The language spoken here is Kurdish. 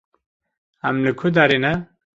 Em li ku derê ne?